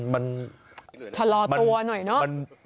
มันชะลอตัวหน่อยเนอะ